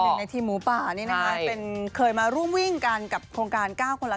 ในทีมหมูป่านี่นะคะเคยมาร่วมวิ่งกันกับโครงการ๙คนละ๓